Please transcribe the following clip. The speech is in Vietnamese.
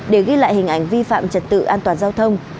để ghi lại hình ảnh vi phạm trật tự an toàn giao thông